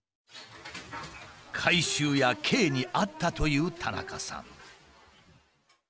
回収屋Ｋに会ったという田中さん。